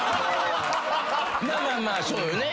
まあまあまあそうよね。